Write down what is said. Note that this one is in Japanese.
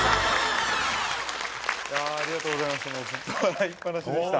いやありがとうございました。